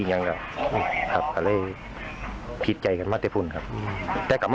ยังแบบครับอะไรผิดใจกันมาเตะพุนครับอืม